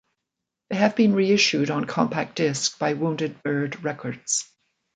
They have been reissued on Compact Disc by Wounded Bird Records.